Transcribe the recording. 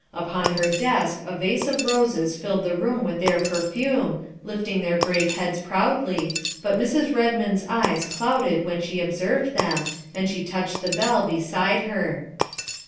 Upon her desk a vase of roses filled the room with their perfume, lifting their great heads proudly, but Mrs. Redmond's eyes clouded when she observed them and she touched the bell beside her.